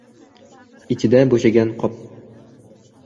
ichida bo‘shagan qop...